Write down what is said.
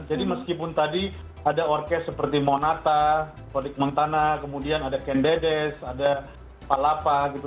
jadi meskipun tadi ada orkes seperti monata kodik mengtana kemudian ada kendedes ada palapa gitu